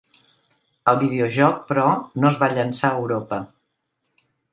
El videojoc, però, no es va llançar a Europa.